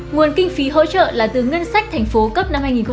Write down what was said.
nguồn kinh phí hỗ trợ là từ ngân sách thành phố